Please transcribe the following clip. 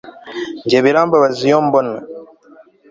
njye birambabaza iyo mbona